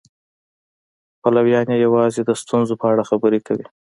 پلویان یې یوازې د ستونزو په اړه خبرې کوي.